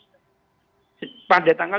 untuk menilai keamanan